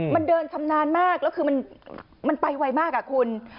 มันเดินชำนาญมากแล้วคือมันไปไวมากอ่ะคุณ